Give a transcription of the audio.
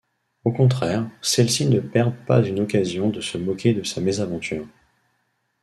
Au contraire, celles-ci ne perdent pas une occasion de se moquer de sa mésaventure.